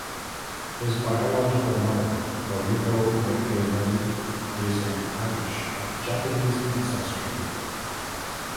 His biological mother, Moriko McVey-Murray, is an Irish of Japanese ancestry.